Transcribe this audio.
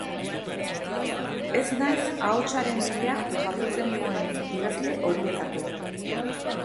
Ez naiz ahotsaren bila jarduten duen idazle horietakoa.